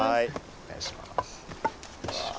お願いします。